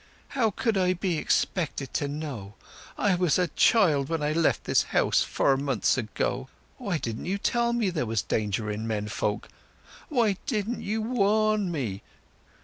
"How could I be expected to know? I was a child when I left this house four months ago. Why didn't you tell me there was danger in men folk? Why didn't you warn me?